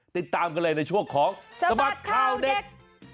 ติดตามกันเลยในช่วงของสบัดข่าวเด็ก